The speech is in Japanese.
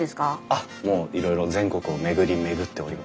あっもういろいろ全国を巡り巡っております。